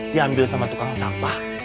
diambil sama tukang sampah